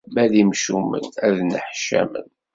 Ma d imcumen ad nneḥcamen.